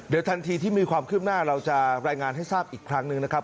เดี๋ยวทันทีที่มีความคืบหน้าเราจะรายงานให้ทราบอีกครั้งหนึ่งนะครับ